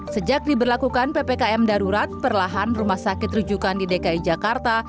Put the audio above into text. sejak diberlakukan ppkm darurat perlahan rumah sakit rujukan di dki jakarta